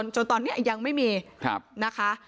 จนตอนนี้ยังไม่มีนะคะ